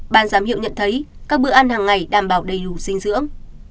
ban giám hiệu nhận thấy các bữa ăn hàng ngày đảm bảo đầy đủ dinh dưỡng